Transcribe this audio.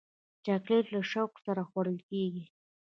چاکلېټ له شوق سره خوړل کېږي.